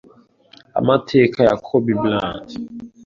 Amateka ya Kobe Bryant